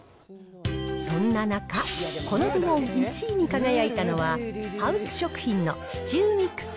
そんな中、この部門１位に輝いたのは、ハウス食品のシチューミクス。